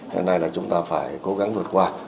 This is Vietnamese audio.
hiện nay là chúng ta phải cố gắng vượt qua